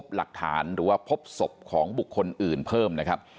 หรือว่าพบศพของบุคคลอื่นเพิ่มนะครับ